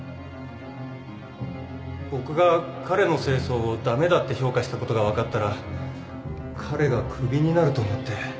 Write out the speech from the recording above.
僕が彼の清掃を駄目だって評価したことが分かったら彼が首になると思って